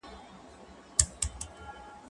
ته ولي ليکنې کوې،